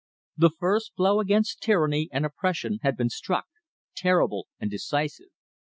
The first blow against tyranny and oppression had been struck, terrible and decisive.